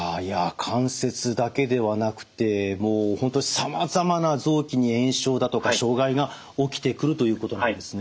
関節だけではなくてもう本当にさまざまな臓器に炎症だとか障害が起きてくるということなんですね。